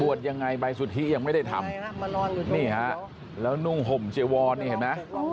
ยังไงใบสุทธิยังไม่ได้ทำนี่ฮะแล้วนุ่งห่มเจวรนี่เห็นไหม